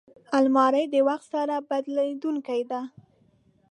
الماري د وخت سره بدلېدونکې ده